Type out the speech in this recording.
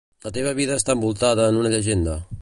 La teva vida està envoltada en la llegenda.